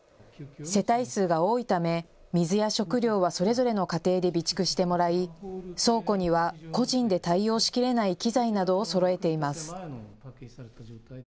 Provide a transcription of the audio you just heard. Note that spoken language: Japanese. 世帯数が多いため水や食料はそれぞれの家庭で備蓄してもらい倉庫には個人で対応しきれない機材などをそろえています。